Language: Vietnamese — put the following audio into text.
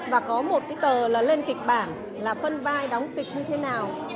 và có một cái tờ là lên kịch bản là phân vai đóng kịch như thế nào